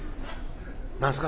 「何ですか？